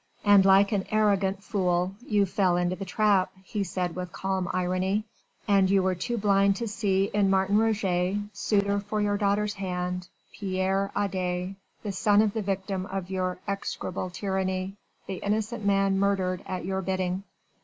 "And like an arrogant fool you fell into the trap," he said with calm irony, "and you were too blind to see in Martin Roget, suitor for your daughter's hand, Pierre Adet, the son of the victim of your execrable tyranny, the innocent man murdered at your bidding."